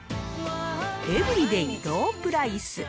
エブリデイ・ロー・プライス。